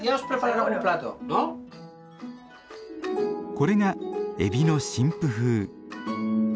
これがエビの神父風。